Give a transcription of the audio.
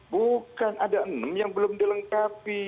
bukan ada enam yang belum dilengkapi